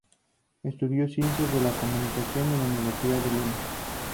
Estudió Ciencias de la comunicación en la Universidad de Lima.